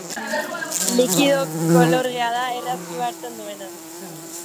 Likido kolorgea da, erraz su hartzen duena.